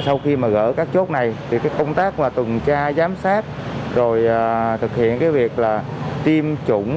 sau khi gỡ các chốt này công tác tuần tra giám sát thực hiện việc tiêm chủng